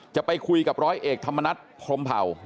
จะไปคุยกับร้อยเอกธรรมนัฐพรมเผ่า